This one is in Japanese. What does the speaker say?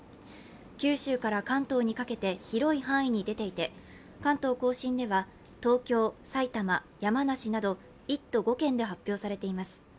九州から関東にかけて広い範囲に出ていて関東甲信では東京、埼玉、山梨など１都５県で発表されています。